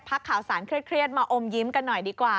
ข่าวสารเครียดมาอมยิ้มกันหน่อยดีกว่า